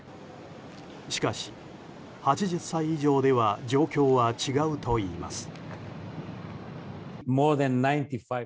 しかし、８０歳以上では状況は違うといいます。